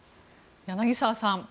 柳澤さん